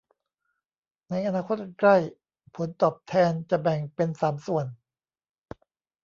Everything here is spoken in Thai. ในอนาคตอันใกล้ ผลตอบแทนจะแบ่งเป็นสามส่วน